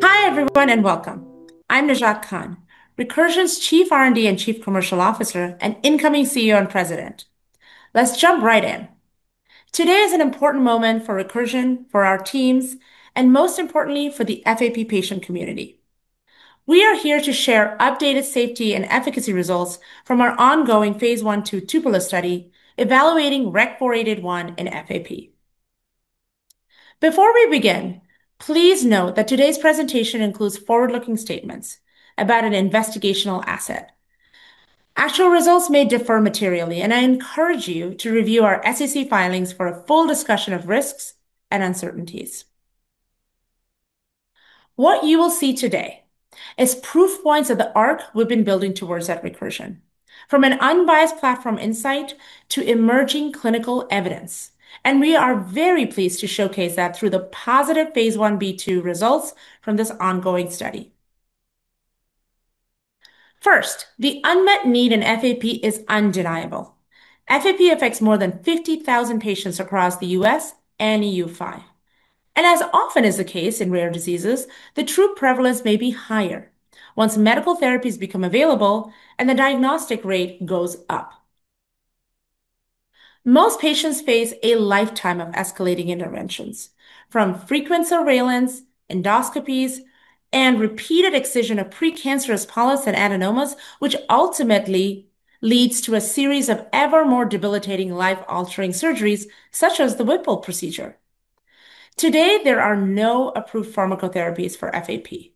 Hi everyone and welcome. I'm Najat Khan, Recursion's Chief R&D and Chief Commercial Officer, and incoming CEO and President. Let's jump right in. Today is an important moment for Recursion, for our teams, and most importantly, for the FAP patient community. We are here to share updated safety and efficacy results from our ongoing Phase 1/2 TUPELO study evaluating REC-4881 in FAP. Before we begin, please note that today's presentation includes forward-looking statements about an investigational asset. Actual results may differ materially, and I encourage you to review our SEC filings for a full discussion of risks and uncertainties. What you will see today is proof points of the arc we've been building towards at Recursion, from an unbiased platform insight to emerging clinical evidence, and we are very pleased to showcase that through the positive Phase 1b/2 results from this ongoing study. First, the unmet need in FAP is undeniable. FAP affects more than 50,000 patients across the U.S. and EU5, and as often is the case in rare diseases, the true prevalence may be higher once medical therapies become available and the diagnostic rate goes up. Most patients face a lifetime of escalating interventions, from frequent surveillance, endoscopies, and repeated excision of precancerous polyps and adenomas, which ultimately leads to a series of ever more debilitating, life-altering surgeries, such as the Whipple procedure. Today, there are no approved pharmacotherapies for FAP,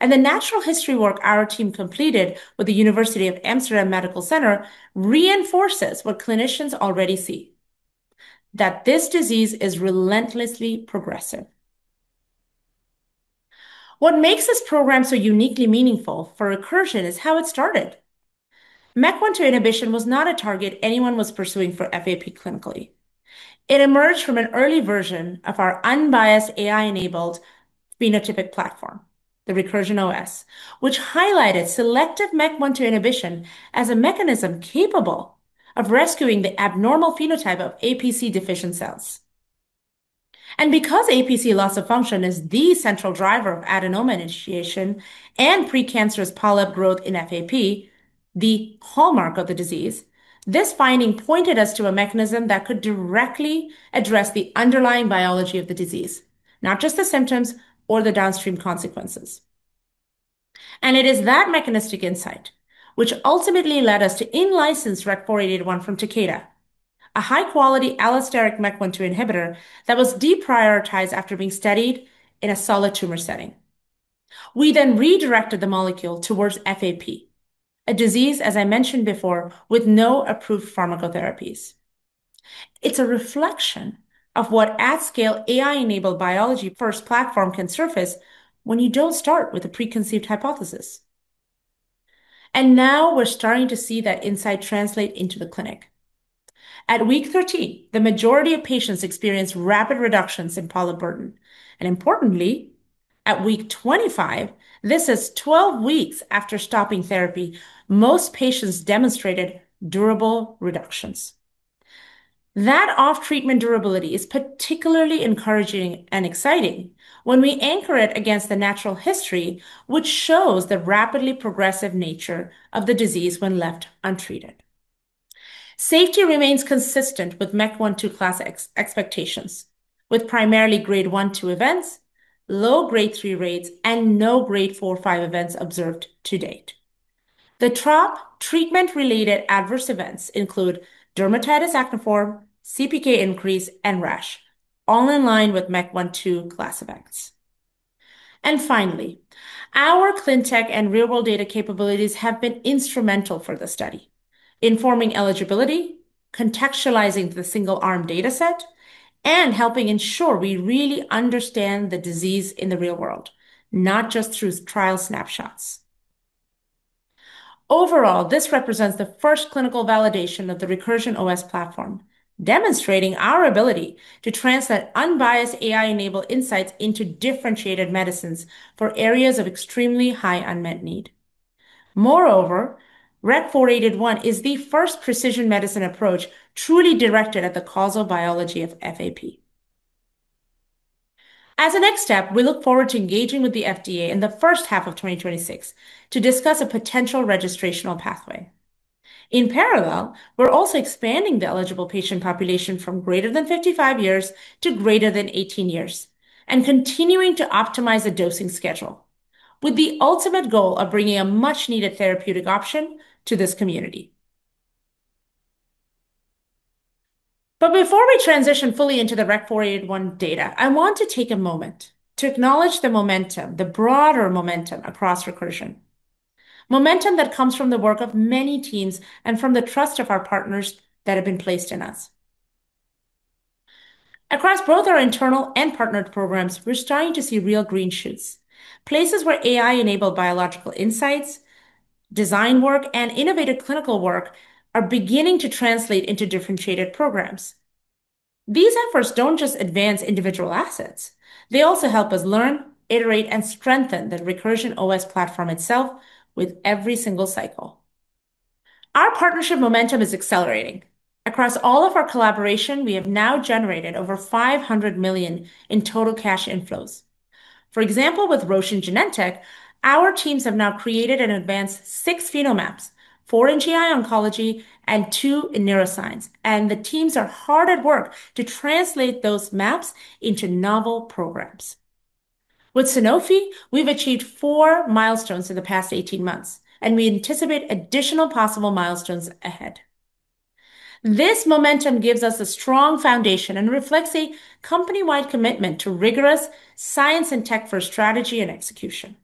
and the natural history work our team completed with the Amsterdam University Medical Center reinforces what clinicians already see: that this disease is relentlessly progressive. What makes this program so uniquely meaningful for Recursion is how it started. MEK1/2 inhibition was not a target anyone was pursuing for FAP clinically. It emerged from an early version of our unbiased AI-enabled phenotypic platform, the Recursion OS, which highlighted selective MEK1/2 inhibition as a mechanism capable of rescuing the abnormal phenotype of APC-deficient cells, and because APC loss of function is the central driver of adenoma initiation and precancerous polyp growth in FAP, the hallmark of the disease, this finding pointed us to a mechanism that could directly address the underlying biology of the disease, not just the symptoms or the downstream consequences, and it is that mechanistic insight which ultimately led us to in-license REC-4881 from Takeda, a high-quality allosteric MEK1/2 inhibitor that was deprioritized after being studied in a solid tumor setting. We then redirected the molecule towards FAP, a disease, as I mentioned before, with no approved pharmacotherapies. It's a reflection of what at-scale AI-enabled biology first platform can surface when you don't start with a preconceived hypothesis. Now we're starting to see that insight translate into the clinic. At week 13, the majority of patients experienced rapid reductions in polyp burden. Importantly, at week 25, this is 12 weeks after stopping therapy, most patients demonstrated durable reductions. That off-treatment durability is particularly encouraging and exciting when we anchor it against the natural history, which shows the rapidly progressive nature of the disease when left untreated. Safety remains consistent with MEK1/2 class expectations, with primarily Grade 1-2 events, low Grade 3 rates, and no Grade 4-5 events observed to date. The top treatment-related adverse events include acneiform dermatitis, CPK increase, and rash, all in line with MEK1/2 class effects. Finally, our ClinTech and real-world data capabilities have been instrumental for the study, informing eligibility, contextualizing the single-arm data set, and helping ensure we really understand the disease in the real world, not just through trial snapshots. Overall, this represents the first clinical validation of the Recursion OS platform, demonstrating our ability to translate unbiased AI-enabled insights into differentiated medicines for areas of extremely high unmet need. Moreover, REC-4881 is the first precision medicine approach truly directed at the causal biology of FAP. As a next step, we look forward to engaging with the FDA in the first half of 2026 to discuss a potential registrational pathway. In parallel, we're also expanding the eligible patient population from greater than 55 years to greater than 18 years and continuing to optimize the dosing schedule, with the ultimate goal of bringing a much-needed therapeutic option to this community. But before we transition fully into the REC-994 data, I want to take a moment to acknowledge the momentum, the broader momentum across Recursion. Momentum that comes from the work of many teams and from the trust of our partners that have been placed in us. Across both our internal and partnered programs, we're starting to see real green shoots, places where AI-enabled biological insights, design work, and innovative clinical work are beginning to translate into differentiated programs. These efforts don't just advance individual assets. They also help us learn, iterate, and strengthen the Recursion OS platform itself with every single cycle. Our partnership momentum is accelerating. Across all of our collaborations, we have now generated over $500 million in total cash inflows. For example, with Roche and Genentech, our teams have now created and advanced six Phenomaps, four in GI oncology and two in neuroscience. The teams are hard at work to translate those maps into novel programs. With Sanofi, we've achieved four milestones in the past 18 months, and we anticipate additional possible milestones ahead. This momentum gives us a strong foundation and reflects a company-wide commitment to rigorous science and tech-first strategy and execution.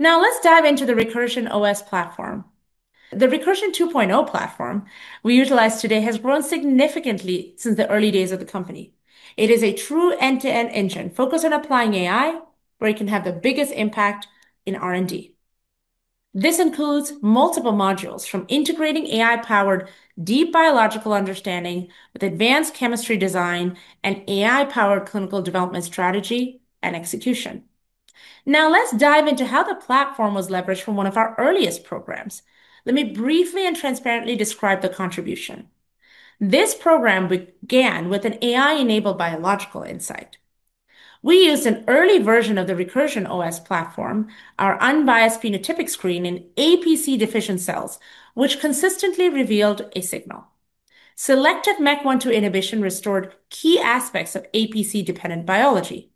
Now, let's dive into the Recursion OS platform. The Recursion OS 2.0 platform we utilize today has grown significantly since the early days of the company. It is a true end-to-end engine focused on applying AI where it can have the biggest impact in R&D. This includes multiple modules from integrating AI-powered deep biological understanding with advanced chemistry design and AI-powered clinical development strategy and execution. Now, let's dive into how the platform was leveraged from one of our earliest programs. Let me briefly and transparently describe the contribution. This program began with an AI-enabled biological insight. We used an early version of the Recursion OS platform, our unbiased phenotypic screen in APC-deficient cells, which consistently revealed a signal. Selective MEK1/2 inhibition restored key aspects of APC-dependent biology,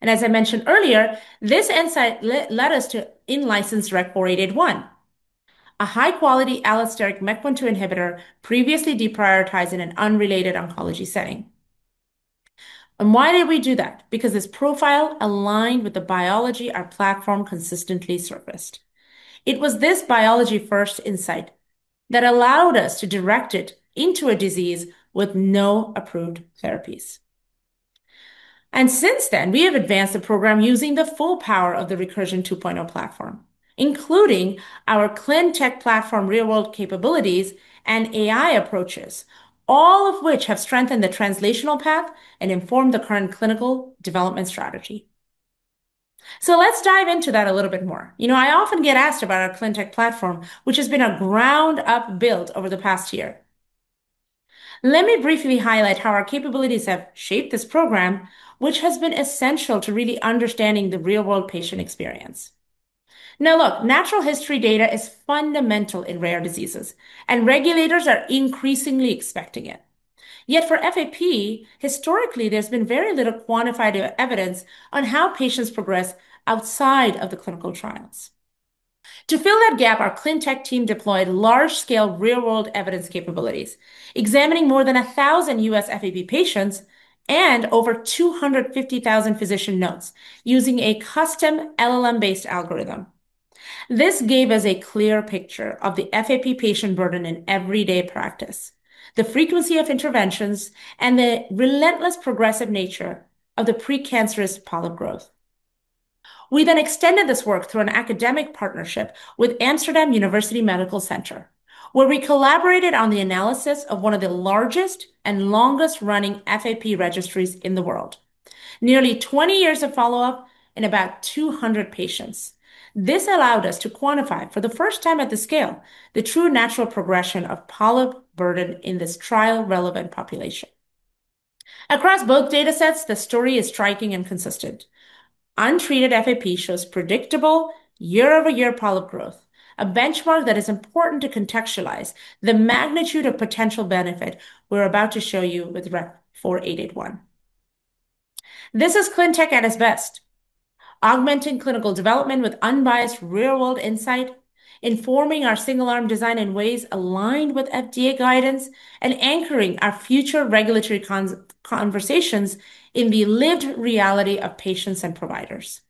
and as I mentioned earlier, this insight led us to in-license REC-4881, a high-quality allosteric MEK1/2 inhibitor previously deprioritized in an unrelated oncology setting, and why did we do that? Because this profile aligned with the biology our platform consistently surfaced. It was this biology-first insight that allowed us to direct it into a disease with no approved therapies, and since then, we have advanced the program using the full power of the Recursion OS 2.0 platform, including our ClinTech platform real-world capabilities and AI approaches, all of which have strengthened the translational path and informed the current clinical development strategy, so let's dive into that a little bit more. You know, I often get asked about our ClinTech platform, which has been a ground-up build over the past year. Let me briefly highlight how our capabilities have shaped this program, which has been essential to really understanding the real-world patient experience. Now, look, natural history data is fundamental in rare diseases, and regulators are increasingly expecting it. Yet for FAP, historically, there's been very little quantified evidence on how patients progress outside of the clinical trials. To fill that gap, our ClinTech team deployed large-scale real-world evidence capabilities, examining more than 1,000 U.S. FAP patients and over 250,000 physician notes using a custom LLM-based algorithm. This gave us a clear picture of the FAP patient burden in everyday practice, the frequency of interventions, and the relentless progressive nature of the precancerous polyp growth. We then extended this work through an academic partnership with Amsterdam University Medical Center, where we collaborated on the analysis of one of the largest and longest-running FAP registries in the world, nearly 20 years of follow-up in about 200 patients. This allowed us to quantify, for the first time at this scale, the true natural progression of polyp burden in this trial-relevant population. Across both data sets, the story is striking and consistent. Untreated FAP shows predictable year-over-year polyp growth, a benchmark that is important to contextualize the magnitude of potential benefit we're about to show you with REC-4881. This is ClinTech at its best, augmenting clinical development with unbiased real-world insight, informing our single-arm design in ways aligned with FDA guidance, and anchoring our future regulatory conversations in the lived reality of patients and providers.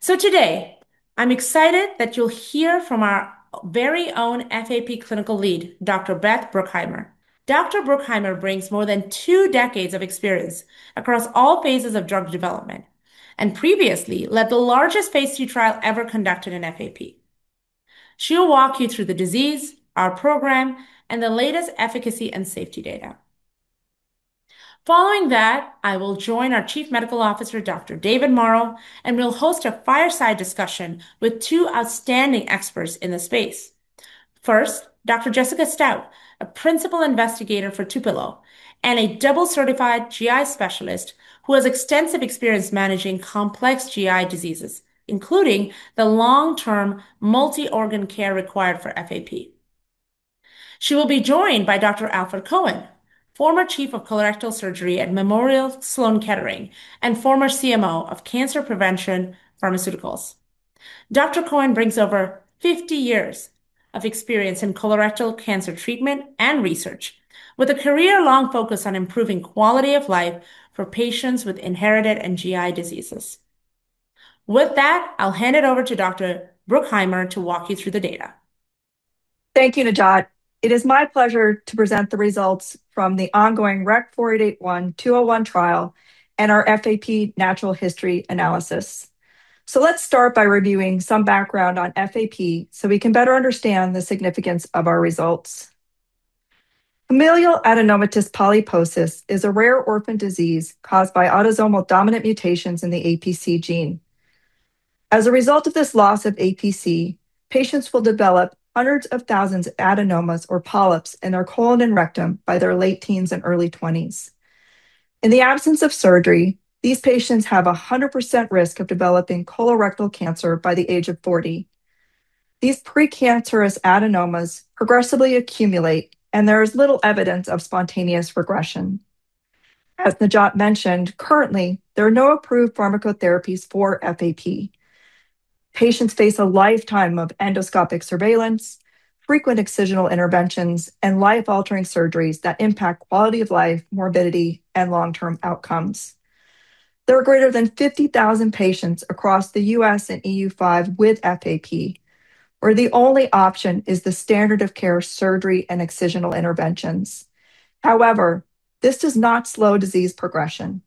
Today, I'm excited that you'll hear from our very own FAP clinical lead, Dr. Beth Bruckheimer. Dr. Bruckheimer brings more than two decades of experience across all phases of drug development and previously led the largest Phase 2 trial ever conducted in FAP. She'll walk you through the disease, our program, and the latest efficacy and safety data. Following that, I will join our Chief Medical Officer, Dr. David Mauro, and we'll host a fireside discussion with two outstanding experts in the space. First, Dr. Jessica Stout, a principal investigator for TUPELO and a double-certified GI specialist who has extensive experience managing complex GI diseases, including the long-term multi-organ care required for FAP. She will be joined by Dr. Alfred Cohen, former Chief of Colorectal Surgery at Memorial Sloan Kettering and former CMO of Cancer Prevention Pharmaceuticals. Dr. Cohen brings over 50 years of experience in colorectal cancer treatment and research, with a career-long focus on improving quality of life for patients with inherited and GI diseases. With that, I'll hand it over to Dr. Bruckheimer to walk you through the data. Thank you, Najat. It is my pleasure to present the results from the ongoing REC-4881-201 trial and our FAP natural history analysis. So let's start by reviewing some background on FAP so we can better understand the significance of our results. Familial adenomatous polyposis is a rare orphan disease caused by autosomal dominant mutations in the APC gene. As a result of this loss of APC, patients will develop hundreds of thousands of adenomas or polyps in their colon and rectum by their late teens and early 20s. In the absence of surgery, these patients have a 100% risk of developing colorectal cancer by the age of 40. These precancerous adenomas progressively accumulate, and there is little evidence of spontaneous regression. As Najat mentioned, currently, there are no approved pharmacotherapies for FAP. Patients face a lifetime of endoscopic surveillance, frequent excisional interventions, and life-altering surgeries that impact quality of life, morbidity, and long-term outcomes. There are greater than 50,000 patients across the U.S. and EU5 with FAP, where the only option is the standard of care surgery and excisional interventions. However, this does not slow disease progression.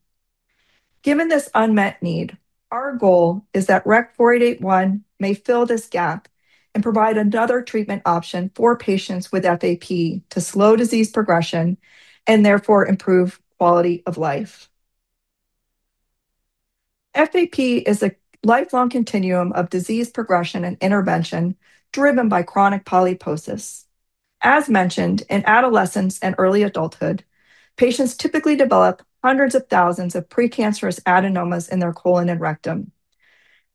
Given this unmet need, our goal is that REC-4881 may fill this gap and provide another treatment option for patients with FAP to slow disease progression and therefore improve quality of life. FAP is a lifelong continuum of disease progression and intervention driven by chronic polyposis. As mentioned, in adolescence and early adulthood, patients typically develop hundreds of thousands of precancerous adenomas in their colon and rectum.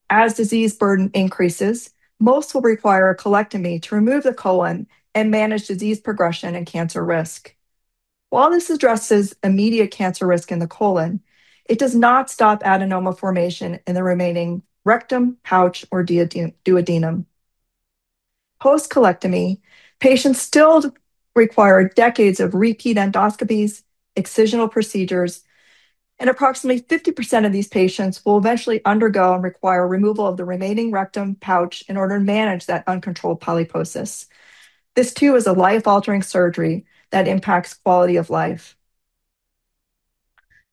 As disease burden increases, most will require a colectomy to remove the colon and manage disease progression and cancer risk. While this addresses immediate cancer risk in the colon, it does not stop adenoma formation in the remaining rectum, pouch, or duodenum. Post-colectomy, patients still require decades of repeat endoscopies, excisional procedures, and approximately 50% of these patients will eventually undergo and require removal of the remaining rectum, pouch in order to manage that uncontrolled polyposis. This, too, is a life-altering surgery that impacts quality of life.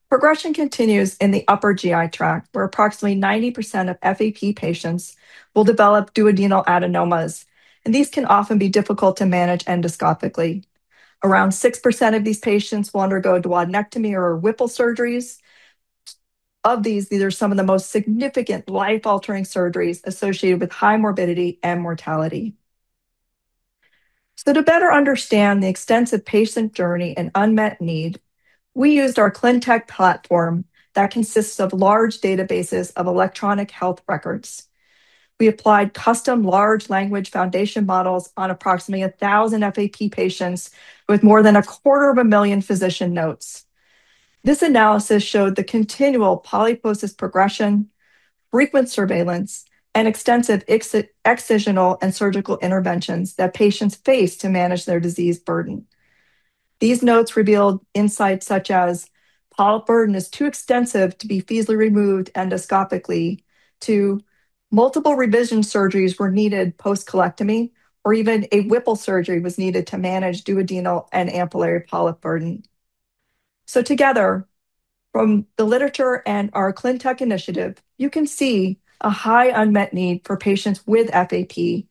Progression continues in the upper GI tract, where approximately 90% of FAP patients will develop duodenal adenomas, and these can often be difficult to manage endoscopically. Around 6% of these patients will undergo duodenectomy or Whipple surgeries. Of these, these are some of the most significant life-altering surgeries associated with high morbidity and mortality. So to better understand the extensive patient journey and unmet need, we used our ClinTech platform that consists of large databases of electronic health records. We applied custom large language foundation models on approximately 1,000 FAP patients with more than a quarter of a million physician notes. This analysis showed the continual polyposis progression, frequent surveillance, and extensive excisional and surgical interventions that patients face to manage their disease burden. These notes revealed insights such as "polyp burden is too extensive to be feasibly removed endoscopically," "multiple revision surgeries were needed post-colectomy," or "even a Whipple surgery was needed to manage duodenal and ampullary polyp burden. Together, from the literature and our ClinTech initiative, you can see a high unmet need for patients with FAP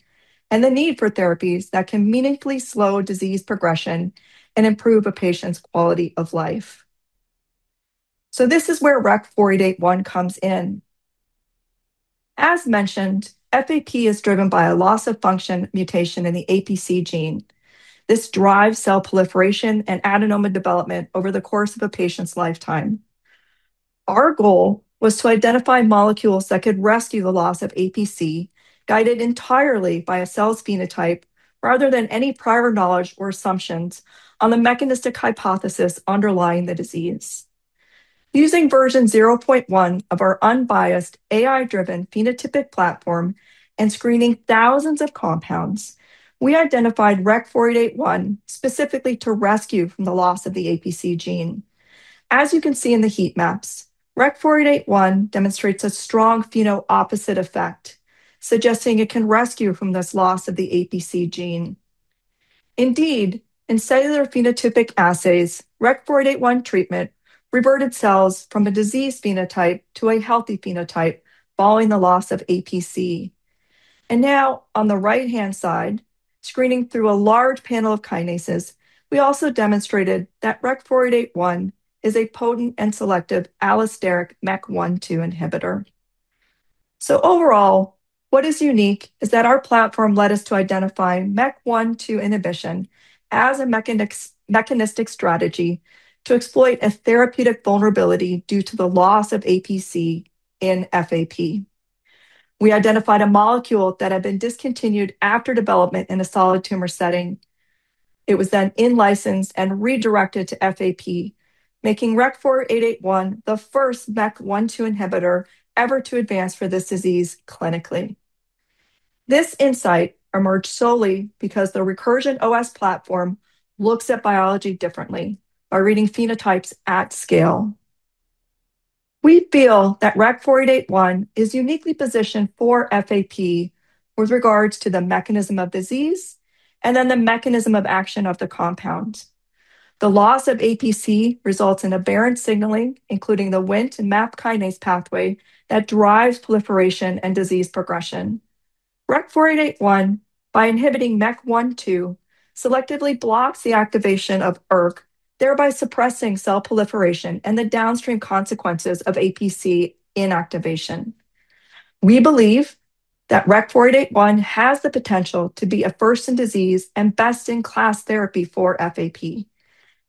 and the need for therapies that can meaningfully slow disease progression and improve a patient's quality of life. This is where REC-4881 comes in. As mentioned, FAP is driven by a loss of function mutation in the APC gene. This drives cell proliferation and adenoma development over the course of a patient's lifetime. Our goal was to identify molecules that could rescue the loss of APC, guided entirely by a cell's phenotype rather than any prior knowledge or assumptions on the mechanistic hypothesis underlying the disease. Using version 0.1 of our unbiased, AI-driven phenotypic platform and screening thousands of compounds, we identified REC-4881 specifically to rescue from the loss of the APC gene. As you can see in the heat maps, REC-4881 demonstrates a strong pheno-opposite effect, suggesting it can rescue from this loss of the APC gene. Indeed, in cellular phenotypic assays, REC-4881 treatment reverted cells from a disease phenotype to a healthy phenotype following the loss of APC, and now, on the right-hand side, screening through a large panel of kinases, we also demonstrated that REC-4881 is a potent and selective allosteric MEK1/2 inhibitor, so overall, what is unique is that our platform led us to identify MEK1/2 inhibition as a mechanistic strategy to exploit a therapeutic vulnerability due to the loss of APC in FAP. We identified a molecule that had been discontinued after development in a solid tumor setting. It was then in-licensed and redirected to FAP, making REC-4881 the first MEK1/2 inhibitor ever to advance for this disease clinically. This insight emerged solely because the Recursion OS platform looks at biology differently by reading phenotypes at scale. We feel that REC-4881 is uniquely positioned for FAP with regards to the mechanism of disease and then the mechanism of action of the compound. The loss of APC results in aberrant signaling, including the Wnt and MAP kinase pathway that drives proliferation and disease progression. REC-4881, by inhibiting MEK1/2, selectively blocks the activation of ERK, thereby suppressing cell proliferation and the downstream consequences of APC inactivation. We believe that REC-4881 has the potential to be a first-in-disease and best-in-class therapy for FAP.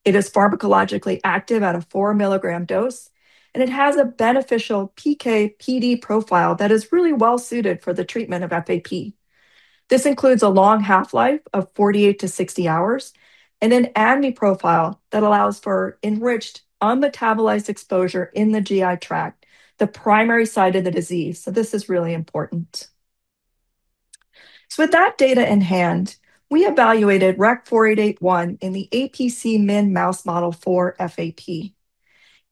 It is pharmacologically active at a four-milligram dose, and it has a beneficial PK/PD profile that is really well-suited for the treatment of FAP. This includes a long half-life of 48-60 hours and an ADME profile that allows for enriched unmetabolized exposure in the GI tract, the primary site of the disease. So this is really important. So with that data in hand, we evaluated REC-4881 in the APC-Min mouse model for FAP.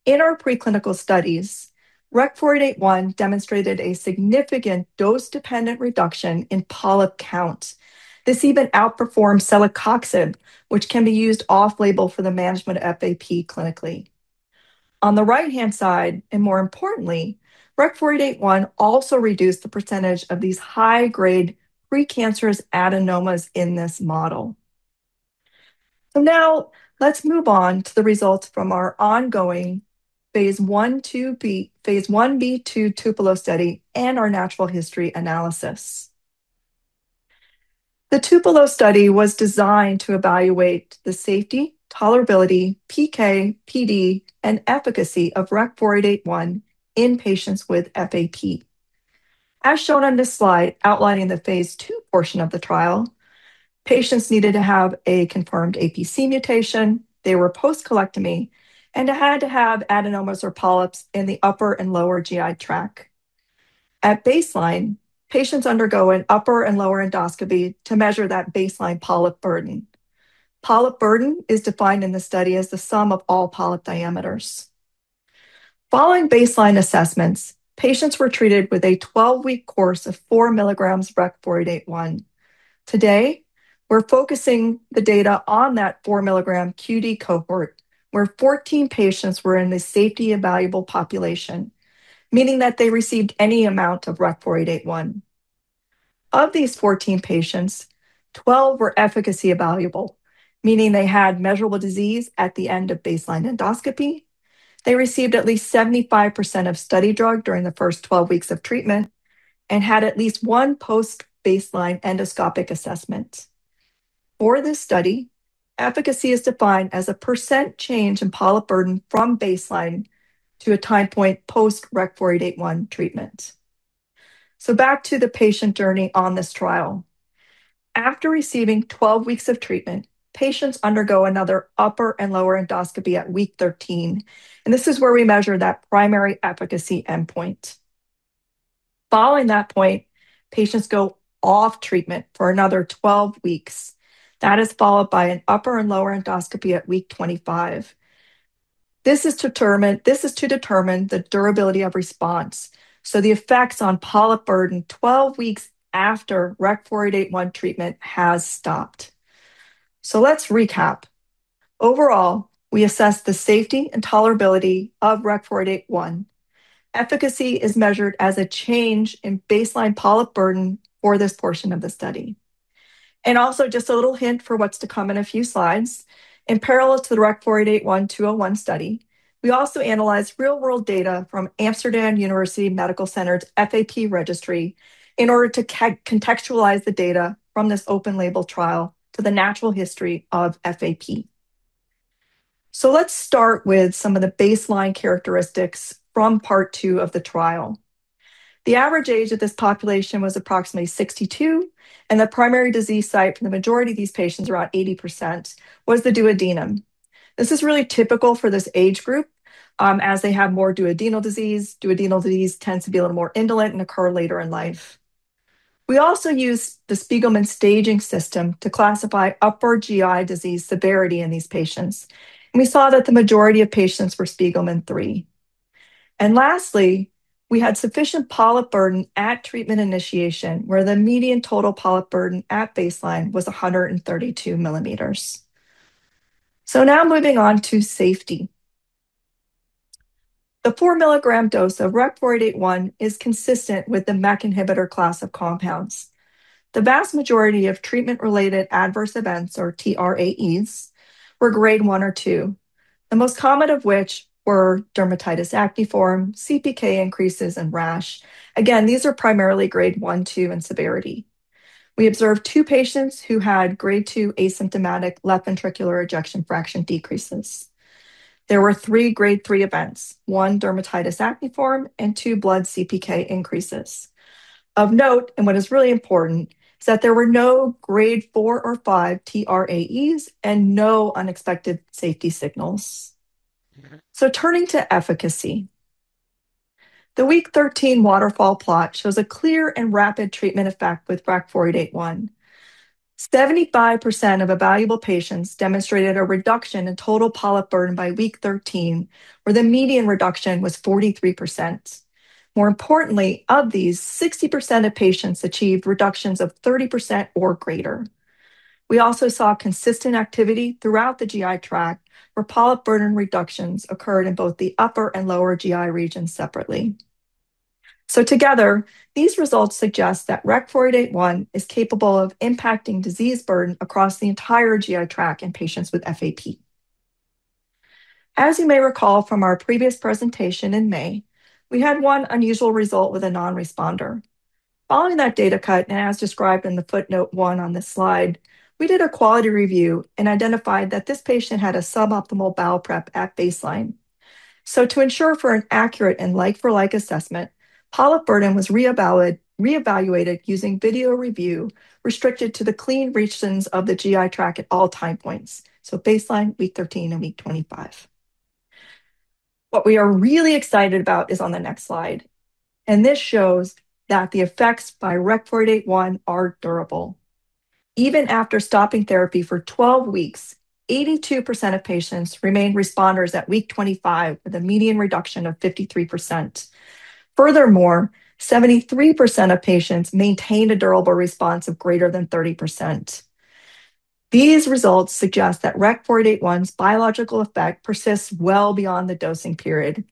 In our preclinical studies, REC-4881 demonstrated a significant dose-dependent reduction in polyp count. This even outperformed celecoxib, which can be used off-label for the management of FAP clinically. On the right-hand side, and more importantly, REC-4881 also reduced the percentage of these high-grade precancerous adenomas in this model. So now let's move on to the results from our ongoing Phase 2 TUPELO study and our natural history analysis. The TUPELO study was designed to evaluate the safety, tolerability, PK/PD, and efficacy of REC-4881 in patients with FAP. As shown on this slide outlining the phase II portion of the trial, patients needed to have a confirmed APC mutation, they were post-colectomy, and had to have adenomas or polyps in the upper and lower GI tract. At baseline, patients undergo an upper and lower endoscopy to measure that baseline polyp burden. Polyp burden is defined in the study as the sum of all polyp diameters. Following baseline assessments, patients were treated with a 12-week course of four-milligrams REC-4881. Today, we're focusing the data on that four-milligram QD cohort, where 14 patients were in the safety evaluable population, meaning that they received any amount of REC-4881. Of these 14 patients, 12 were efficacy evaluable, meaning they had measurable disease at the end of baseline endoscopy. They received at least 75% of study drug during the first 12 weeks of treatment and had at least one post-baseline endoscopic assessment. For this study, efficacy is defined as a percent change in polyp burden from baseline to a time point post-REC-4881 treatment. Back to the patient journey on this trial. After receiving 12 weeks of treatment, patients undergo another upper and lower endoscopy at week 13, and this is where we measure that primary efficacy endpoint. Following that point, patients go off treatment for another 12 weeks. That is followed by an upper and lower endoscopy at week 25. This is to determine the durability of response, so the effects on polyp burden 12 weeks after REC-4881 treatment has stopped. Let's recap. Overall, we assess the safety and tolerability of REC-4881. Efficacy is measured as a change in baseline polyp burden for this portion of the study. Also just a little hint for what's to come in a few slides. In parallel to the REC-4881-201 study, we also analyze real-world data from Amsterdam University Medical Center's FAP registry in order to contextualize the data from this open-label trial to the natural history of FAP. Let's start with some of the baseline characteristics from part two of the trial. The average age of this population was approximately 62, and the primary disease site for the majority of these patients, around 80%, was the duodenum. This is really typical for this age group as they have more duodenal disease. Duodenal disease tends to be a little more indolent and occur later in life. We also used the Spigelman staging system to classify upper GI disease severity in these patients. We saw that the majority of patients were Spigelman 3. Lastly, we had sufficient polyp burden at treatment initiation, where the median total polyp burden at baseline was 132 millimeters. Now moving on to safety. The four-milligram dose of REC-4881 is consistent with the MEK inhibitor class of compounds. The vast majority of treatment-related adverse events, or TRAEs, were grade one or two, the most common of which were dermatitis acneiform, CPK increases, and rash. Again, these are primarily grade one, two in severity. We observed two patients who had grade two asymptomatic left ventricular ejection fraction decreases. There were three grade three events, one dermatitis acneiform and two blood CPK increases. Of note, and what is really important, is that there were no grade four or five TRAEs and no unexpected safety signals. Turning to efficacy, the week 13 waterfall plot shows a clear and rapid treatment effect with REC-4881. 75% of evaluable patients demonstrated a reduction in total polyp burden by week 13, where the median reduction was 43%. More importantly, of these, 60% of patients achieved reductions of 30% or greater. We also saw consistent activity throughout the GI tract, where polyp burden reductions occurred in both the upper and lower GI regions separately. So together, these results suggest that REC-4881 is capable of impacting disease burden across the entire GI tract in patients with FAP. As you may recall from our previous presentation in May, we had one unusual result with a non-responder. Following that data cut, and as described in the footnote one on this slide, we did a quality review and identified that this patient had a suboptimal bowel prep at baseline. So to ensure for an accurate and like-for-like assessment, polyp burden was reevaluated using video review restricted to the clean regions of the GI tract at all time points, so baseline, week 13, and week 25. What we are really excited about is on the next slide. This shows that the effects by REC-4881 are durable. Even after stopping therapy for 12 weeks, 82% of patients remained responders at week 25 with a median reduction of 53%. Furthermore, 73% of patients maintained a durable response of greater than 30%. These results suggest that REC-4881's biological effect persists well beyond the dosing period.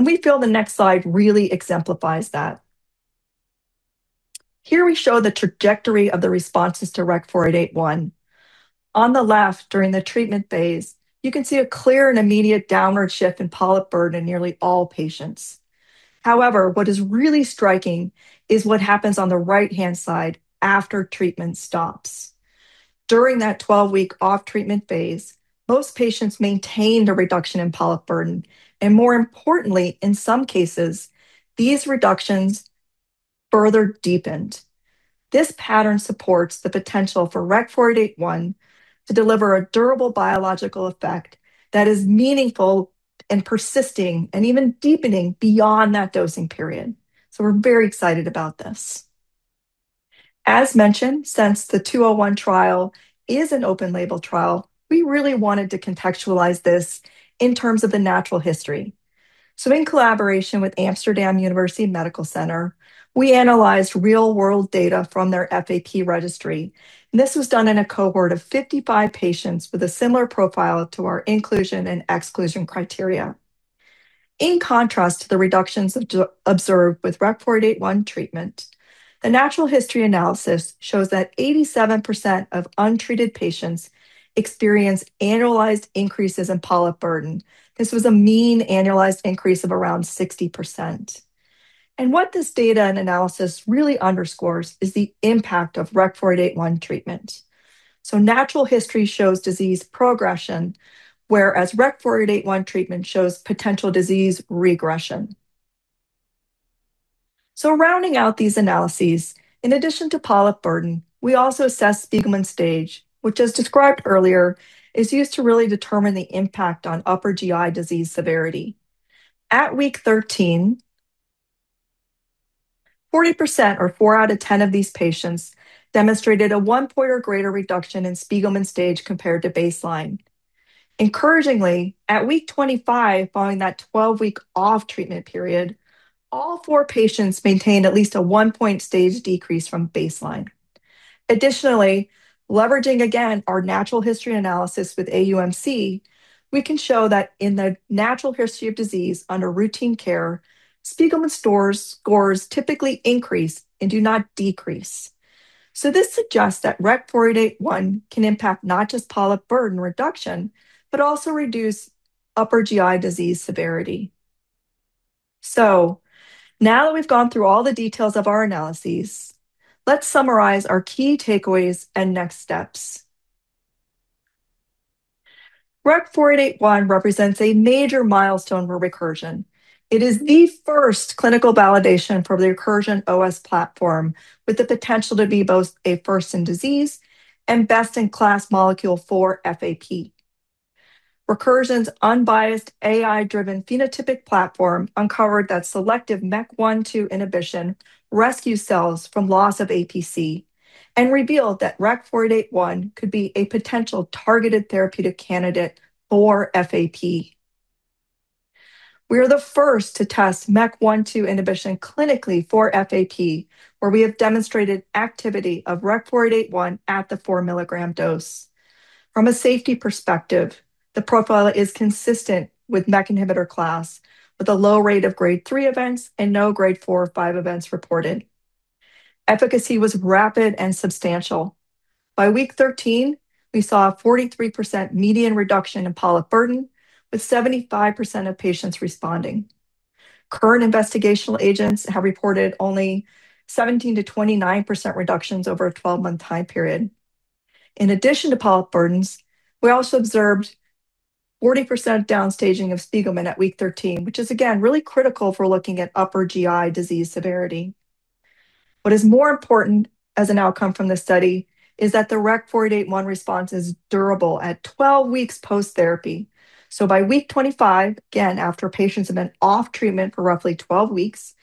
We feel the next slide really exemplifies that. Here we show the trajectory of the responses to REC-4881. On the left, during the treatment phase, you can see a clear and immediate downward shift in polyp burden in nearly all patients. However, what is really striking is what happens on the right-hand side after treatment stops. During that 12-week off-treatment phase, most patients maintained a reduction in polyp burden, and more importantly, in some cases, these reductions further deepened. This pattern supports the potential for REC-4881 to deliver a durable biological effect that is meaningful and persisting and even deepening beyond that dosing period, so we're very excited about this. As mentioned, since the 201 trial is an open-label trial, we really wanted to contextualize this in terms of the natural history, so in collaboration with Amsterdam University Medical Center, we analyzed real-world data from their FAP registry, and this was done in a cohort of 55 patients with a similar profile to our inclusion and exclusion criteria. In contrast to the reductions observed with REC-4881 treatment, the natural history analysis shows that 87% of untreated patients experience annualized increases in polyp burden. This was a mean annualized increase of around 60%, and what this data and analysis really underscores is the impact of REC-4881 treatment, so natural history shows disease progression, whereas REC-4881 treatment shows potential disease regression. So rounding out these analyses, in addition to polyp burden, we also assess Spigelman stage, which, as described earlier, is used to really determine the impact on upper GI disease severity. At week 13, 40% or 4 out of 10 of these patients demonstrated a one-point or greater reduction in Spigelman stage compared to baseline. Encouragingly, at week 25, following that 12-week off-treatment period, all four patients maintained at least a one-point stage decrease from baseline. Additionally, leveraging again our natural history analysis with AUMC, we can show that in the natural history of disease under routine care, Spigelman scores typically increase and do not decrease. So this suggests that REC-4881 can impact not just polyp burden reduction, but also reduce upper GI disease severity. So now that we've gone through all the details of our analyses, let's summarize our key takeaways and next steps. REC-4881 represents a major milestone for Recursion. It is the first clinical validation for the Recursion OS platform, with the potential to be both a first-in-disease and best-in-class molecule for FAP. Recursion's unbiased AI-driven phenotypic platform uncovered that selective MEK1/2 inhibition rescues cells from loss of APC and revealed that REC-4881 could be a potential targeted therapeutic candidate for FAP. We are the first to test MEK1/2 inhibition clinically for FAP, where we have demonstrated activity of REC-4881 at the four-milligram dose. From a safety perspective, the profile is consistent with MEK inhibitor class, with a low rate of Grade 3 events and no grade 4 or 5 events reported. Efficacy was rapid and substantial. By week 13, we saw a 43% median reduction in polyp burden, with 75% of patients responding. Current investigational agents have reported only 17%-29% reductions over a 12-month time period. In addition to polyp burdens, we also observed 40% downstaging of Spigelman at week 13, which is again really critical for looking at upper GI disease severity. What is more important as an outcome from this study is that the REC-4881 response is durable at 12 weeks post-therapy. So by week 25, again, after patients have been off treatment for roughly 12 weeks,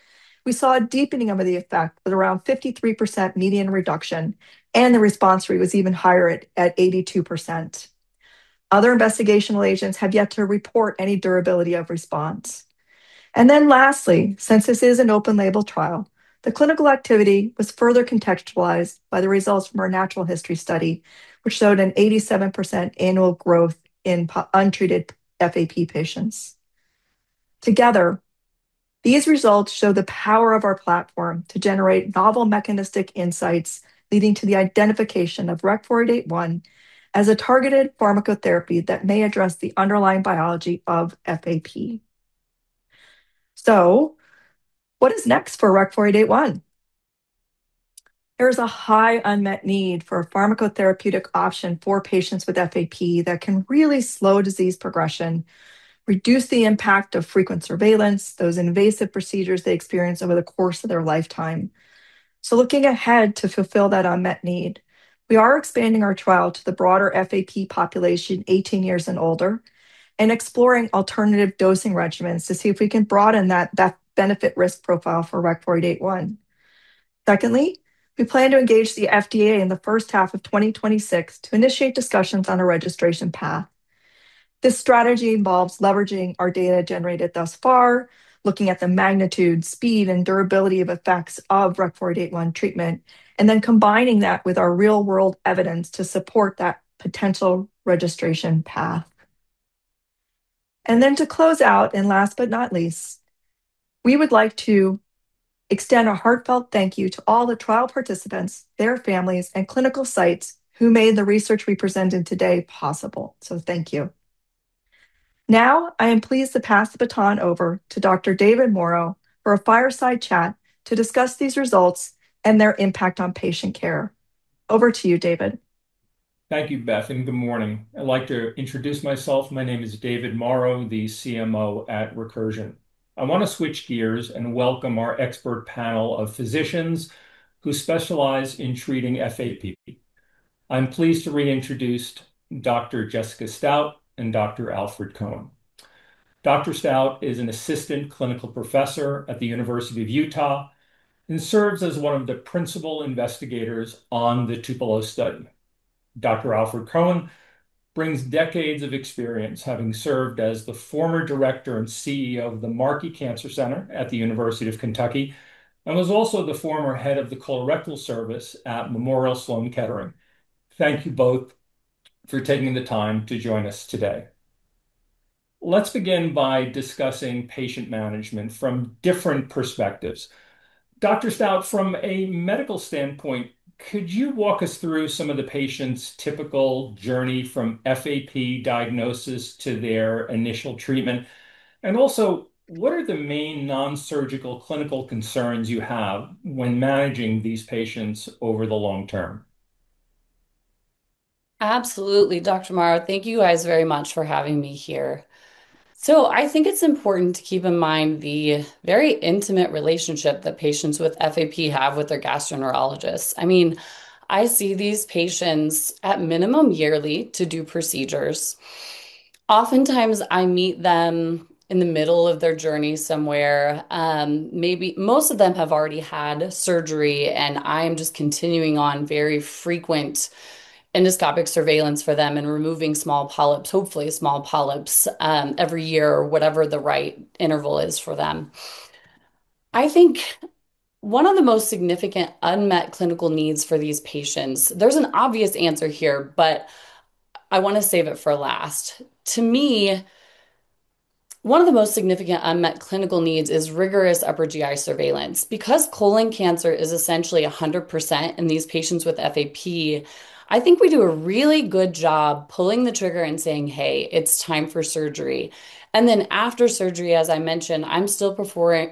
we saw a deepening of the effect with around 53% median reduction, and the response rate was even higher at 82%. Other investigational agents have yet to report any durability of response. And then lastly, since this is an open-label trial, the clinical activity was further contextualized by the results from our natural history study, which showed an 87% annual growth in untreated FAP patients. Together, these results show the power of our platform to generate novel mechanistic insights leading to the identification of REC-4881 as a targeted pharmacotherapy that may address the underlying biology of FAP. So what is next for REC-4881? There is a high unmet need for a pharmacotherapeutic option for patients with FAP that can really slow disease progression, reduce the impact of frequent surveillance, those invasive procedures they experience over the course of their lifetime. So looking ahead to fulfill that unmet need, we are expanding our trial to the broader FAP population 18 years and older and exploring alternative dosing regimens to see if we can broaden that benefit-risk profile for REC-4881. Secondly, we plan to engage the FDA in the first half of 2026 to initiate discussions on a registration path. This strategy involves leveraging our data generated thus far, looking at the magnitude, speed, and durability of effects of REC-4881 treatment, and then combining that with our real-world evidence to support that potential registration path. And then to close out, and last but not least, we would like to extend a heartfelt thank you to all the trial participants, their families, and clinical sites who made the research we presented today possible. So thank you. Now, I am pleased to pass the baton over to Dr. David Mauro for a fireside chat to discuss these results and their impact on patient care. Over to you, David. Thank you, Beth, and good morning. I'd like to introduce myself. My name is David Mauro, the CMO at Recursion. I want to switch gears and welcome our expert panel of physicians who specialize in treating FAP. I'm pleased to reintroduce Dr. Jessica Stout and Dr. Alfred Cohen. Dr. Stout is an assistant clinical professor at the University of Utah and serves as one of the principal investigators on the TUPELO study. Dr. Alfred Cohen brings decades of experience, having served as the former director and CEO of the Markey Cancer Center at the University of Kentucky and was also the former head of the Colorectal Service at Memorial Sloan Kettering. Thank you both for taking the time to join us today. Let's begin by discussing patient management from different perspectives. Dr. Stout, from a medical standpoint, could you walk us through some of the patient's typical journey from FAP diagnosis to their initial treatment? And also, what are the main non-surgical clinical concerns you have when managing these patients over the long term? Absolutely, Dr. Mauro. Thank you guys very much for having me here. I think it's important to keep in mind the very intimate relationship that patients with FAP have with their gastroenterologists. I mean, I see these patients at minimum yearly to do procedures. Oftentimes, I meet them in the middle of their journey somewhere. Maybe most of them have already had surgery, and I'm just continuing on very frequent endoscopic surveillance for them and removing small polyps, hopefully small polyps, every year or whatever the right interval is for them. I think one of the most significant unmet clinical needs for these patients, there's an obvious answer here, but I want to save it for last. To me, one of the most significant unmet clinical needs is rigorous upper GI surveillance. Because colon cancer is essentially 100% in these patients with FAP, I think we do a really good job pulling the trigger and saying, "Hey, it's time for surgery." And then after surgery, as I mentioned, I'm still performing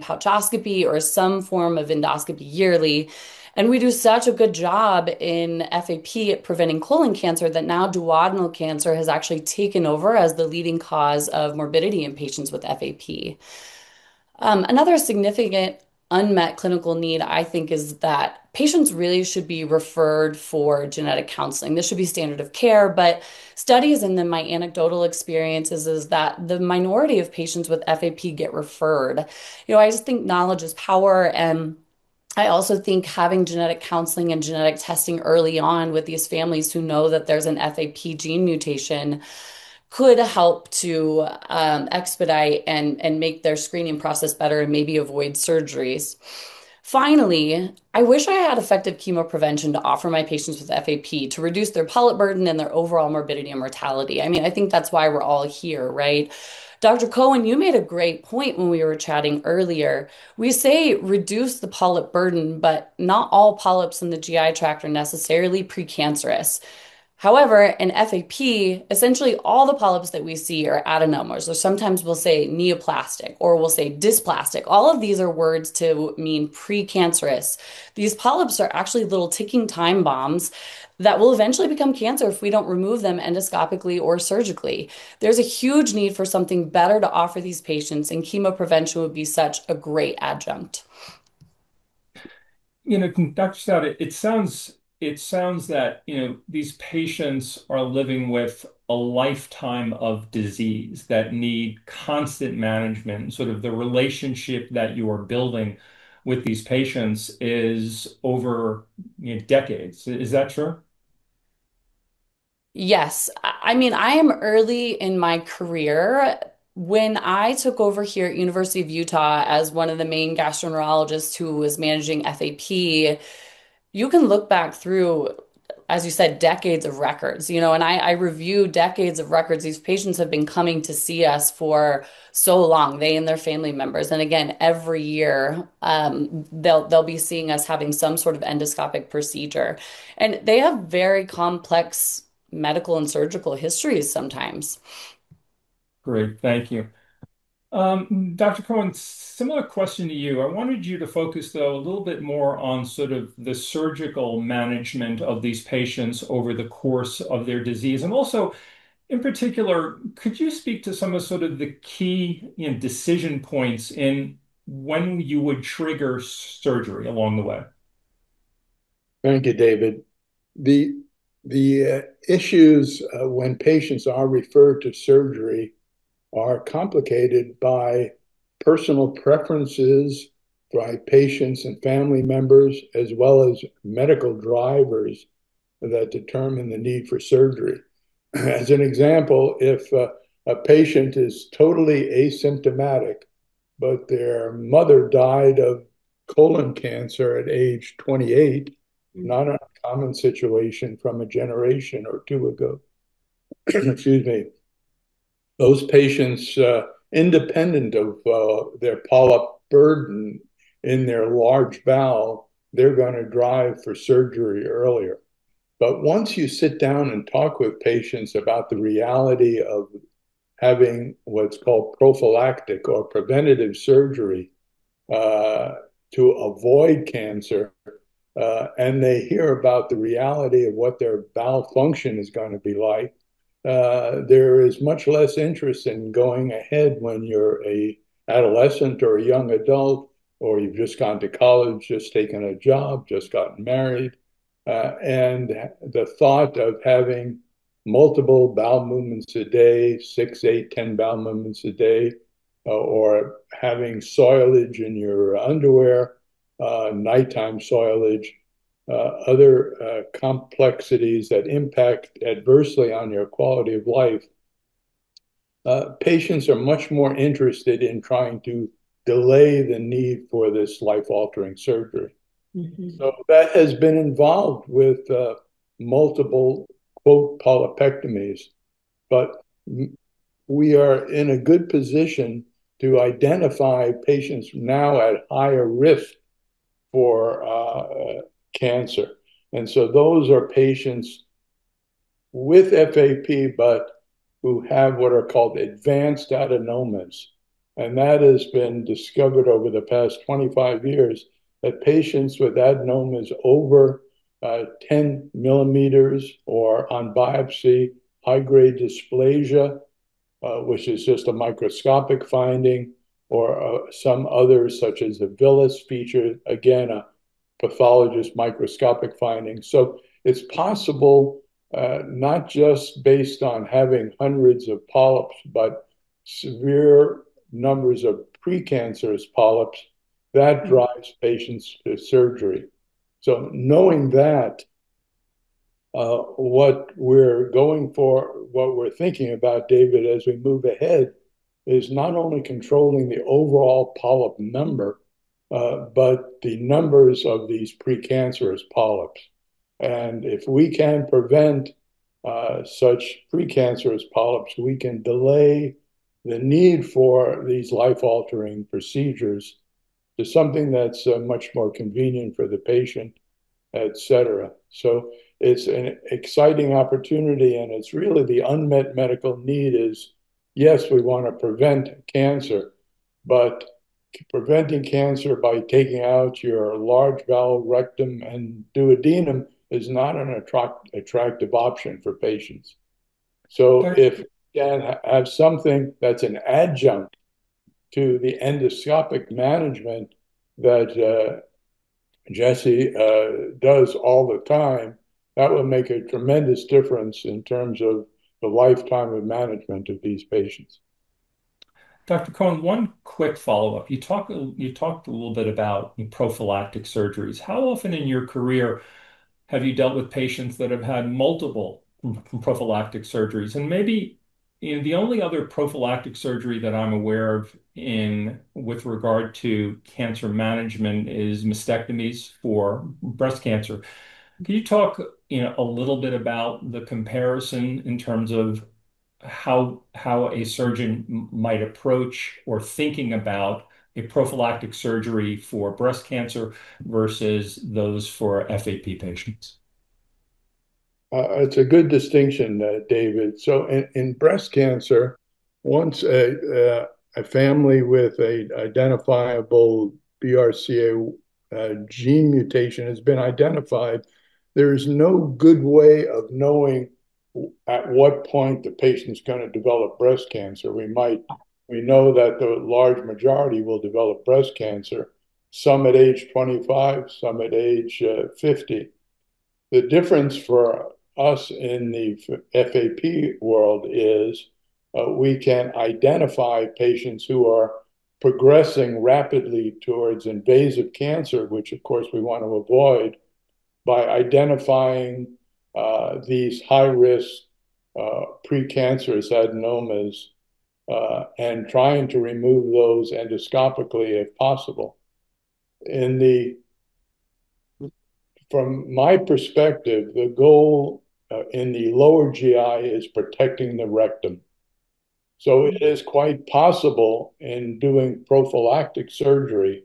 pouchoscopy or some form of endoscopy yearly. And we do such a good job in FAP at preventing colon cancer that now duodenal cancer has actually taken over as the leading cause of morbidity in patients with FAP. Another significant unmet clinical need, I think, is that patients really should be referred for genetic counseling. This should be standard of care, but studies and then my anecdotal experiences is that the minority of patients with FAP get referred. I just think knowledge is power. I also think having genetic counseling and genetic testing early on with these families who know that there's an FAP gene mutation could help to expedite and make their screening process better and maybe avoid surgeries. Finally, I wish I had effective chemoprevention to offer my patients with FAP to reduce their polyp burden and their overall morbidity and mortality. I mean, I think that's why we're all here, right? Dr. Cohen, you made a great point when we were chatting earlier. We say reduce the polyp burden, but not all polyps in the GI tract are necessarily precancerous. However, in FAP, essentially all the polyps that we see are adenomas. Or sometimes we'll say neoplastic, or we'll say dysplastic. All of these are words to mean precancerous. These polyps are actually little ticking time bombs that will eventually become cancer if we don't remove them endoscopically or surgically. There's a huge need for something better to offer these patients, and chemoprevention would be such a great adjunct. Dr. Stout, it sounds that these patients are living with a lifetime of disease that need constant management. Sort of the relationship that you are building with these patients is over decades. Is that true? Yes. I mean, I am early in my career. When I took over here at University of Utah as one of the main gastroenterologists who was managing FAP, you can look back through, as you said, decades of records, and I review decades of records. These patients have been coming to see us for so long, they and their family members, and again, every year, they'll be seeing us having some sort of endoscopic procedure. And they have very complex medical and surgical histories sometimes. Great. Thank you. Dr. Cohen, similar question to you. I wanted you to focus, though, a little bit more on sort of the surgical management of these patients over the course of their disease. And also, in particular, could you speak to some of sort of the key decision points in when you would trigger surgery along the way? Thank you, David. The issues when patients are referred to surgery are complicated by personal preferences by patients and family members, as well as medical drivers that determine the need for surgery. As an example, if a patient is totally asymptomatic, but their mother died of colon cancer at age 28, not a common situation from a generation or two ago, excuse me, those patients, independent of their polyp burden in their large bowel, they're going to drive for surgery earlier. But once you sit down and talk with patients about the reality of having what's called prophylactic or preventative surgery to avoid cancer, and they hear about the reality of what their bowel function is going to be like, there is much less interest in going ahead when you're an adolescent or a young adult, or you've just gone to college, just taken a job, just gotten married. And the thought of having multiple bowel movements a day, six, eight, 10 bowel movements a day, or having soiling in your underwear, nighttime soiling, other complexities that impact adversely on your quality of life, patients are much more interested in trying to delay the need for this life-altering surgery. So that has been involved with multiple polypectomies. But we are in a good position to identify patients now at higher risk for cancer. Those are patients with FAP, but who have what are called advanced adenomas. That has been discovered over the past 25 years that patients with adenomas over 10 millimeters or, on biopsy, high-grade dysplasia, which is just a microscopic finding, or some others such as the villous feature, again, a pathologist's microscopic finding. It's possible, not just based on having hundreds of polyps, but severe numbers of precancerous polyps that drives patients to surgery. Knowing that, what we're going for, what we're thinking about, David, as we move ahead is not only controlling the overall polyp number, but the numbers of these precancerous polyps. If we can prevent such precancerous polyps, we can delay the need for these life-altering procedures to something that's much more convenient for the patient, etc. It's an exciting opportunity, and it's really the unmet medical need is, yes, we want to prevent cancer, but preventing cancer by taking out your large bowel, rectum, and duodenum is not an attractive option for patients. So if you can have something that's an adjunct to the endoscopic management that Jessie does all the time, that will make a tremendous difference in terms of the lifetime of management of these patients. Dr. Cohen, one quick follow-up. You talked a little bit about prophylactic surgeries. How often in your career have you dealt with patients that have had multiple prophylactic surgeries? And maybe the only other prophylactic surgery that I'm aware of with regard to cancer management is mastectomies for breast cancer. Can you talk a little bit about the comparison in terms of how a surgeon might approach or think about a prophylactic surgery for breast cancer versus those for FAP patients? It's a good distinction, David. So in breast cancer, once a family with an identifiable BRCA gene mutation has been identified, there is no good way of knowing at what point the patient's going to develop breast cancer. We know that the large majority will develop breast cancer, some at age 25, some at age 50. The difference for us in the FAP world is we can identify patients who are progressing rapidly towards invasive cancer, which, of course, we want to avoid by identifying these high-risk precancerous adenomas and trying to remove those endoscopically if possible. From my perspective, the goal in the lower GI is protecting the rectum. So it is quite possible in doing prophylactic surgery,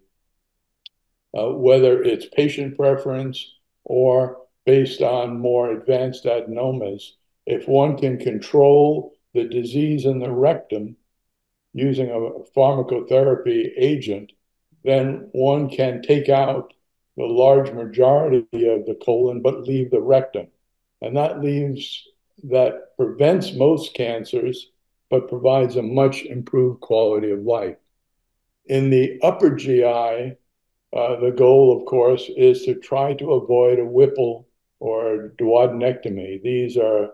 whether it's patient preference or based on more advanced adenomas. If one can control the disease in the rectum using a pharmacotherapy agent, then one can take out the large majority of the colon but leave the rectum. And that prevents most cancers but provides a much improved quality of life. In the upper GI, the goal, of course, is to try to avoid a Whipple or duodenectomy. These are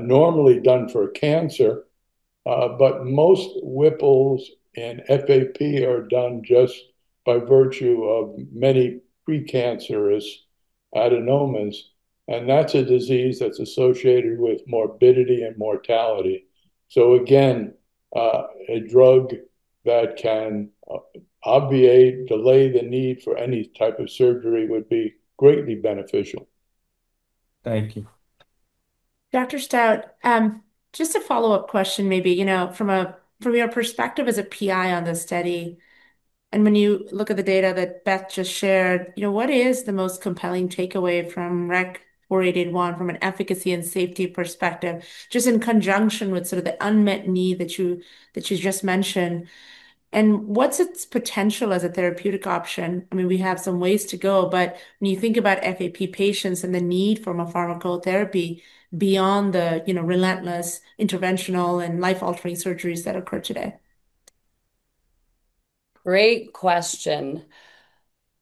normally done for cancer, but most Whipples in FAP are done just by virtue of many precancerous adenomas. And that's a disease that's associated with morbidity and mortality. So again, a drug that can obviate, delay the need for any type of surgery would be greatly beneficial. Thank you. Dr. Stout, just a follow-up question maybe. From your perspective as a PI on this study, and when you look at the data that Beth just shared, what is the most compelling takeaway from REC-4881 from an efficacy and safety perspective, just in conjunction with sort of the unmet need that you just mentioned? And what's its potential as a therapeutic option? I mean, we have some ways to go, but when you think about FAP patients and the need for more pharmacotherapy beyond the relentless interventional and life-altering surgeries that occur today? Great question.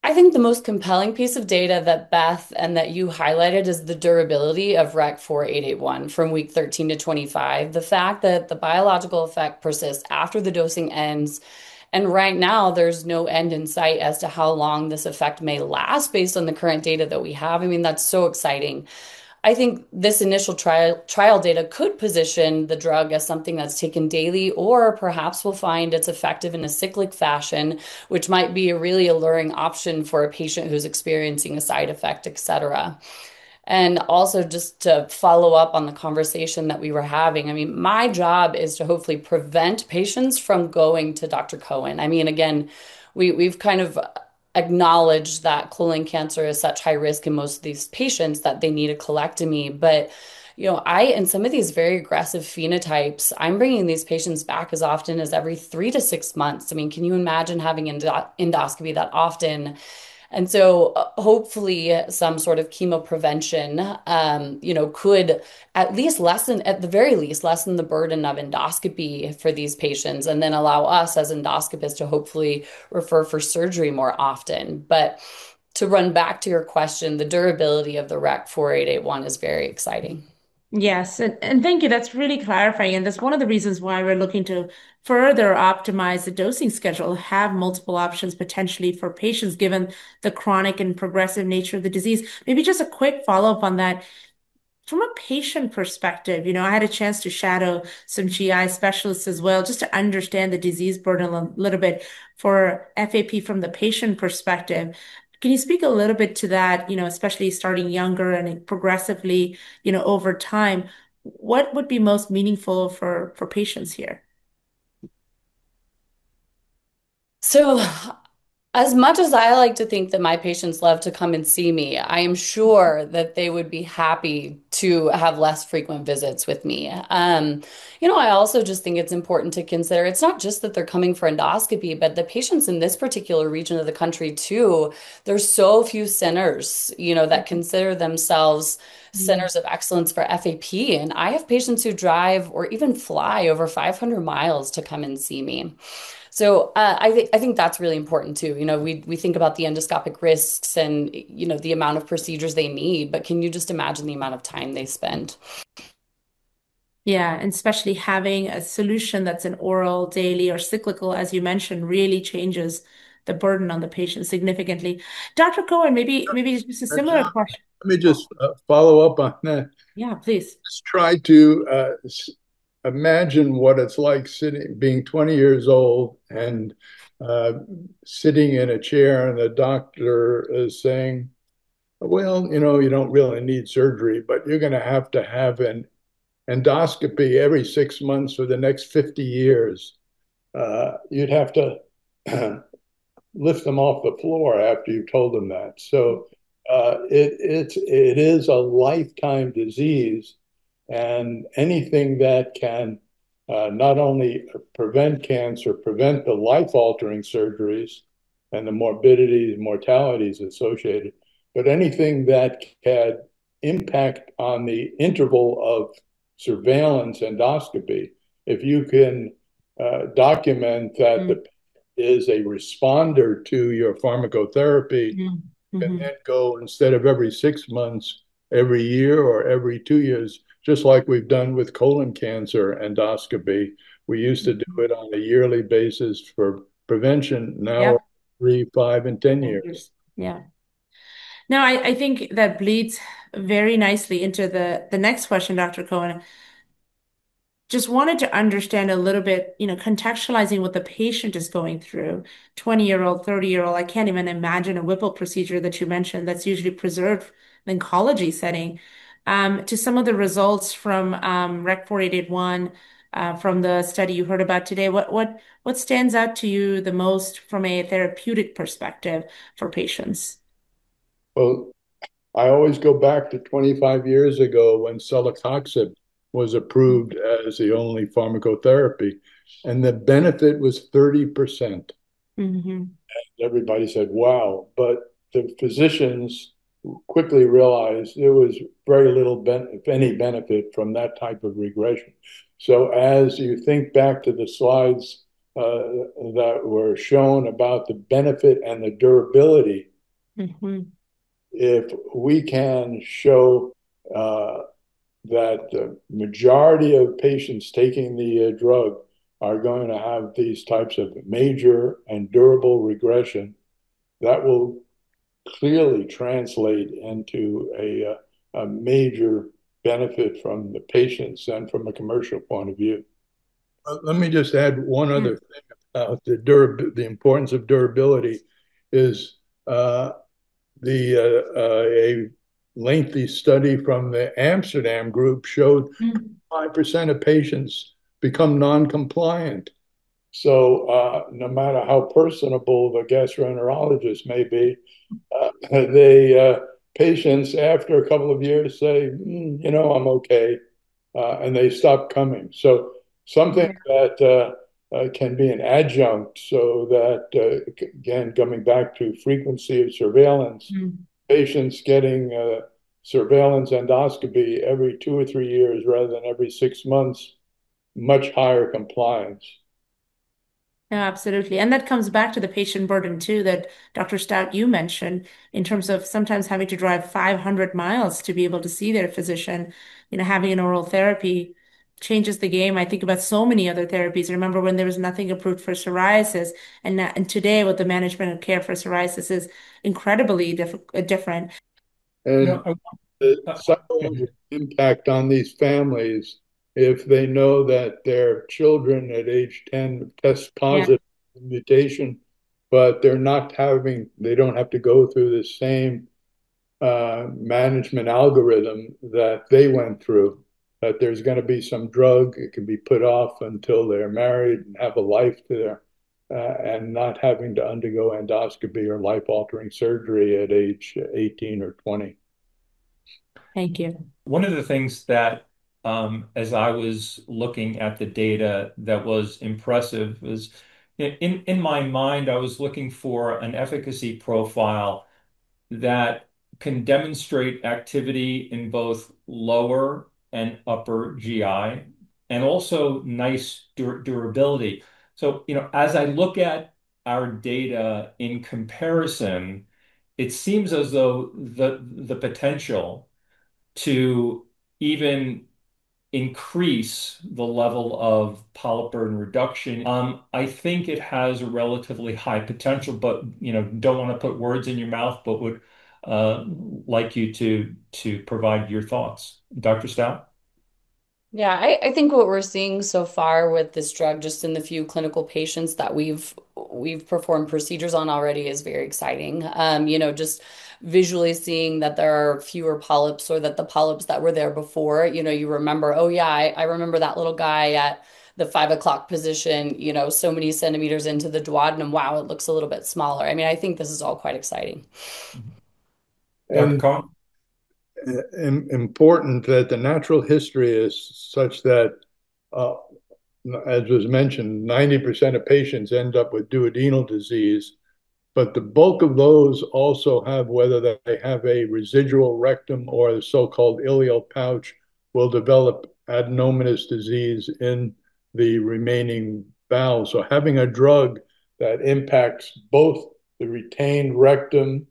I think the most compelling piece of data that Beth and that you highlighted is the durability of REC-4881 from week 13-25, the fact that the biological effect persists after the dosing ends, and right now, there's no end in sight as to how long this effect may last based on the current data that we have. I mean, that's so exciting. I think this initial trial data could position the drug as something that's taken daily or perhaps we'll find it's effective in a cyclic fashion, which might be a really alluring option for a patient who's experiencing a side effect, etc. And also just to follow up on the conversation that we were having, I mean, my job is to hopefully prevent patients from going to Dr. Cohen. I mean, again, we've kind of acknowledged that colon cancer is such high risk in most of these patients that they need a colectomy. But in some of these very aggressive phenotypes, I'm bringing these patients back as often as every three to six months. I mean, can you imagine having endoscopy that often? And so hopefully, some sort of chemoprevention could at least, at the very least, lessen the burden of endoscopy for these patients and then allow us as endoscopists to hopefully refer for surgery more often. But to run back to your question, the durability of the REC-4881 is very exciting. Yes. And thank you. That's really clarifying. And that's one of the reasons why we're looking to further optimize the dosing schedule, have multiple options potentially for patients given the chronic and progressive nature of the disease. Maybe just a quick follow-up on that. From a patient perspective, I had a chance to shadow some GI specialists as well just to understand the disease burden a little bit for FAP from the patient perspective. Can you speak a little bit to that, especially starting younger and progressively over time? What would be most meaningful for patients here? So as much as I like to think that my patients love to come and see me, I am sure that they would be happy to have less frequent visits with me. I also just think it's important to consider it's not just that they're coming for endoscopy, but the patients in this particular region of the country, too, there's so few centers that consider themselves centers of excellence for FAP. And I have patients who drive or even fly over 500 miles to come and see me. So I think that's really important, too. We think about the endoscopic risks and the amount of procedures they need, but can you just imagine the amount of time they spend? Yeah. And especially having a solution that's an oral, daily, or cyclical, as you mentioned, really changes the burden on the patient significantly. Dr. Cohen, maybe just a similar question. Let me just follow up on that. Yeah, please. Just try to imagine what it's like being 20 years old and sitting in a chair and the doctor is saying, "Well, you don't really need surgery, but you're going to have to have an endoscopy every six months for the next 50 years." You'd have to lift them off the floor after you've told them that. So it is a lifetime disease. Anything that can not only prevent cancer, prevent the life-altering surgeries and the morbidity and mortalities associated, but anything that can impact on the interval of surveillance endoscopy, if you can document that the patient is a responder to your pharmacotherapy, and then go instead of every six months, every year, or every two years, just like we've done with colon cancer endoscopy. We used to do it on a yearly basis for prevention, now every five and ten years. Yeah. Now, I think that bleeds very nicely into the next question, Dr. Cohen. Just wanted to understand a little bit, contextualizing what the patient is going through: 20-year-old, 30-year-old. I can't even imagine a Whipple procedure that you mentioned that's usually preserved in an oncology setting. To some of the results from REC-4881 from the study you heard about today, what stands out to you the most from a therapeutic perspective for patients? Well, I always go back to 25 years ago when celecoxib was approved as the only pharmacotherapy, and the benefit was 30%. And everybody said, "Wow." But the physicians quickly realized there was very little, if any, benefit from that type of regression. So as you think back to the slides that were shown about the benefit and the durability, if we can show that the majority of patients taking the drug are going to have these types of major and durable regression, that will clearly translate into a major benefit from the patients and from a commercial point of view. Let me just add one other thing about the importance of durability. A lengthy study from the Amsterdam group showed 5% of patients become non-compliant, so no matter how personable the gastroenterologist may be, the patients after a couple of years say, "I'm okay," and they stop coming, so something that can be an adjunct so that, again, coming back to frequency of surveillance, patients getting surveillance endoscopy every two or three years rather than every six months, much higher compliance. Absolutely, and that comes back to the patient burden, too, that Dr. Stout, you mentioned in terms of sometimes having to drive 500 miles to be able to see their physician, having an oral therapy changes the game. I think about so many other therapies. I remember when there was nothing approved for psoriasis, and today, with the management of care for psoriasis, it's incredibly different. And that's not only the impact on these families if they know that their children at age 10 test positive for the mutation, but they don't have to go through the same management algorithm that they went through, that there's going to be some drug, it can be put off until they're married and have a life there and not having to undergo endoscopy or life-altering surgery at age 18 or 20. Thank you. One of the things that, as I was looking at the data that was impressive, was in my mind, I was looking for an efficacy profile that can demonstrate activity in both lower and upper GI and also nice durability. So as I look at our data in comparison, it seems as though the potential to even increase the level of polyp reduction. I think it has a relatively high potential, but don't want to put words in your mouth, but would like you to provide your thoughts. Dr. Stout? Yeah. I think what we're seeing so far with this drug, just in the few clinical patients that we've performed procedures on already, is very exciting. Just visually seeing that there are fewer polyps or that the polyps that were there before, you remember, "Oh, yeah, I remember that little guy at the 5 o'clock position, so many centimeters into the duodenum. Wow, it looks a little bit smaller." I mean, I think this is all quite exciting. And important that the natural history is such that, as was mentioned, 90% of patients end up with duodenal disease, but the bulk of those also have, whether they have a residual rectum or the so-called ileal pouch, will develop adenomatous disease in the remaining bowel. So having a drug that impacts both the retained rectum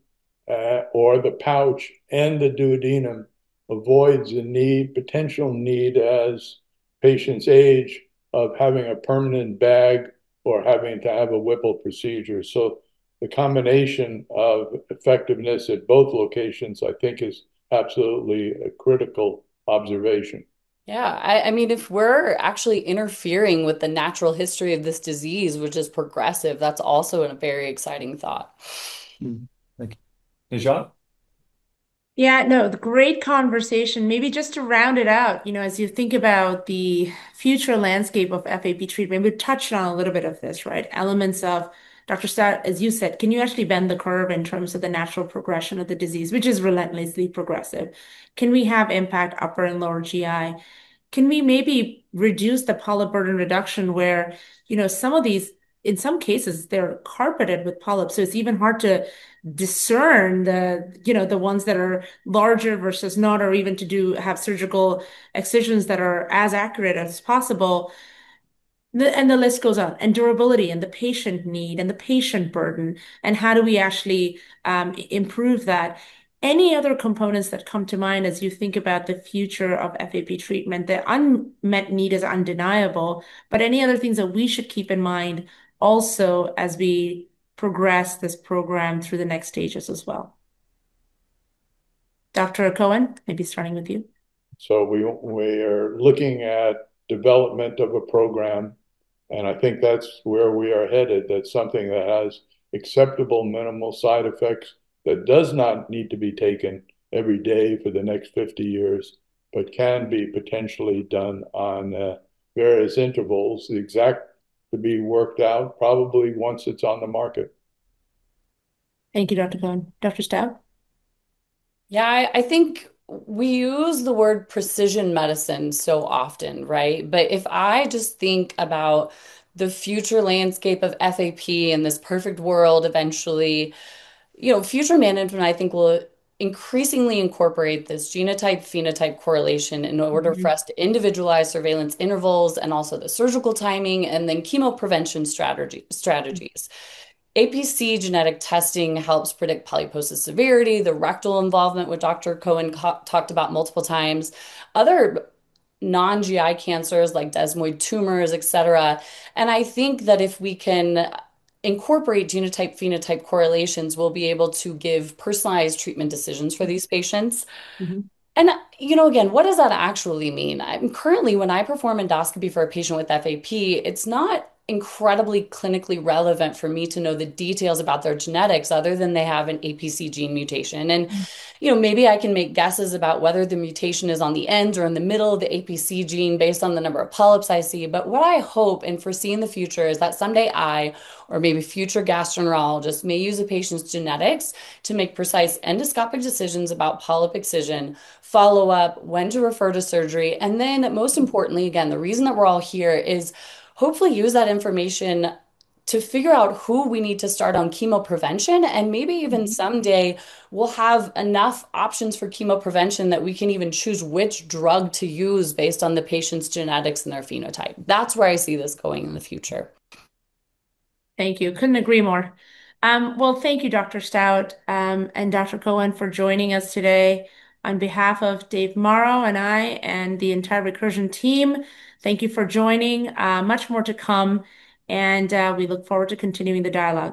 or the pouch and the duodenum avoids the potential need as patients age of having a permanent bag or having to have a Whipple procedure. So the combination of effectiveness at both locations, I think, is absolutely a critical observation. Yeah. I mean, if we're actually interfering with the natural history of this disease, which is progressive, that's also a very exciting thought. Thank you. Najat? Yeah. No, great conversation. Maybe just to round it out, as you think about the future landscape of FAP treatment, we've touched on a little bit of this, right? Elements of, Dr. Stout, as you said, can you actually bend the curve in terms of the natural progression of the disease, which is relentlessly progressive? Can we have impact upper and lower GI? Can we maybe reduce the polyp burden reduction where some of these, in some cases, they're carpeted with polyps? So it's even hard to discern the ones that are larger versus not, or even to have surgical excisions that are as accurate as possible. And the list goes on. And durability and the patient need and the patient burden, and how do we actually improve that? Any other components that come to mind as you think about the future of FAP treatment? The unmet need is undeniable, but any other things that we should keep in mind also as we progress this program through the next stages as well? Dr. Cohen, maybe starting with you. So we are looking at development of a program, and I think that's where we are headed, that's something that has acceptable minimal side effects that does not need to be taken every day for the next 50 years, but can be potentially done on various intervals, the exact to be worked out probably once it's on the market. Thank you, Dr. Cohen. Dr. Stout? Yeah. I think we use the word precision medicine so often, right? But if I just think about the future landscape of FAP in this perfect world eventually, future management, I think, will increasingly incorporate this genotype-phenotype correlation in order for us to individualize surveillance intervals and also the surgical timing and then chemoprevention strategies. APC genetic testing helps predict polyposis severity, the rectal involvement, which Dr. Cohen talked about multiple times, other non-GI cancers like desmoid tumors, etc. And I think that if we can incorporate genotype-phenotype correlations, we'll be able to give personalized treatment decisions for these patients. And again, what does that actually mean? Currently, when I perform endoscopy for a patient with FAP, it's not incredibly clinically relevant for me to know the details about their genetics other than they have an APC gene mutation. Maybe I can make guesses about whether the mutation is on the end or in the middle of the APC gene based on the number of polyps I see. What I hope and foresee in the future is that someday I, or maybe future gastroenterologists, may use a patient's genetics to make precise endoscopic decisions about polyp excision, follow-up, when to refer to surgery. Then, most importantly, again, the reason that we're all here is hopefully use that information to figure out who we need to start on chemoprevention. Maybe even someday, we'll have enough options for chemoprevention that we can even choose which drug to use based on the patient's genetics and their phenotype. That's where I see this going in the future. Thank you. Couldn't agree more. Thank you, Dr. Stout and Dr. Cohen, for joining us today. On behalf of David Mauro and I and the entire Recursion team, thank you for joining. Much more to come, and we look forward to continuing the dialogue.